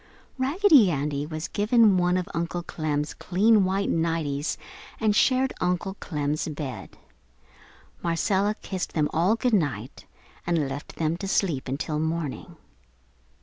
Raggedy Andy was given one of Uncle Clem's clean white nighties and shared Uncle Clem's bed. Marcella kissed them all good night and left them to sleep until morning.